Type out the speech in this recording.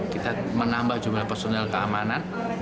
kita menambah jumlah personil keamanan